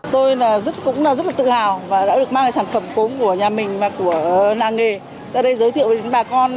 tôi cũng rất tự hào đã được mang sản phẩm cốm của nhà mình và của làng nghề ra đây giới thiệu đến bà con